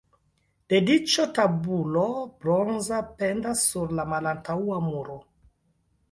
Dediĉo tabulo bronza pendas sur la malantaŭa muro.